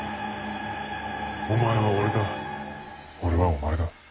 お前は俺だ俺はお前だ。